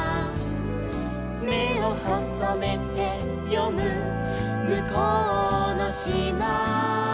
「めをほそめてよむむこうのしま」